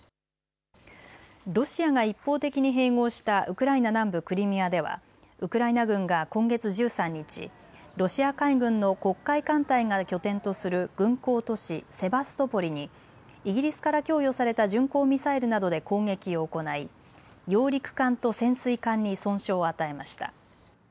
ロシアが一方的に併合したウクライナ南部クリミアではウクライナ軍が今月１３日、ロシア海軍の黒海艦隊が拠点とする軍港都市、セバストポリにイギリスから供与された巡航ミサイルなどで攻撃を行い揚陸艦と潜水艦に損傷を与えました。